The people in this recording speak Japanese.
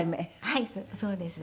はいそうです。